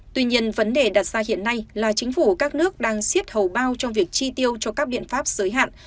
tuy nhiên vấn đề đặt ra hiện nay là chính phủ các nước đang xiết hầu bao trong việc chi tiêu cho các biện pháp giới hạn